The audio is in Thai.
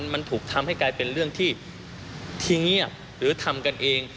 มันถูกทำให้กลายเป็นเรื่องที่เงียบหรือทำกันเอง